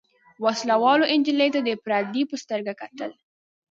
وسله والو نجلۍ ته د پردۍ په سترګه کتل.